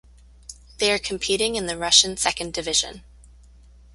They are competing in the Russian second division.